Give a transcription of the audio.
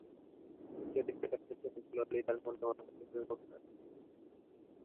আমি সুচরিতার কাছ থেকে শুনেছি ললিতার মন তোমার প্রতি বিমুখ নয়।